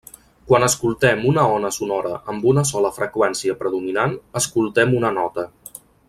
Quan escoltem una ona sonora amb una sola freqüència predominant escoltem una nota.